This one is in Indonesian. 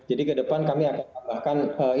jadi ke depan kami akan tambahkan informasi